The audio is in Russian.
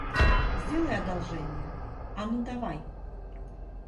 Сделай одолжение, а ну, давай!